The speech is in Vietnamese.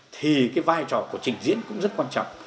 thì cái vai trò của trình diễn cũng rất quan trọng